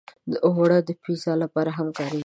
اوړه د پیزا لپاره هم کارېږي